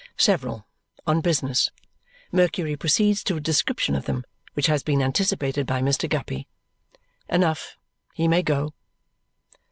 Several, on business. Mercury proceeds to a description of them, which has been anticipated by Mr. Guppy. Enough; he may go.